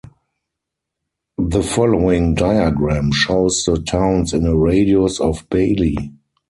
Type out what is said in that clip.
The following diagram shows the towns in a radius of Bailey.